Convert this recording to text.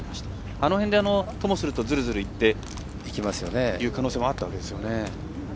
あの辺でともするとズルズルいってという可能性もあったわけですよね。